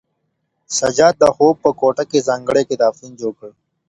سجاد د خوب په کوټه کې ځانګړی کتابتون جوړ کړ.